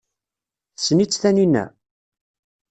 Tessen-itt Taninna?